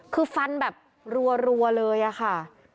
คือฟันแบบรัวเลยอะค่ะ